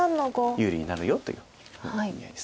有利になるよという意味合いですか。